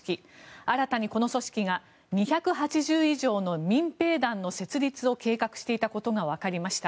新たにこの組織が２８０以上の民兵団の設立を計画していたことが分かりました。